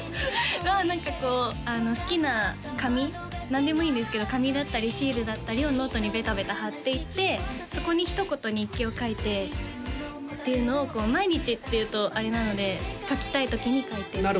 何かこう好きな紙何でもいいんですけど紙だったりシールだったりをノートにベタベタ貼っていってそこにひと言日記を書いてっていうのを毎日っていうとあれなので書きたいときに書いてます